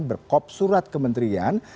berkop surat kementerian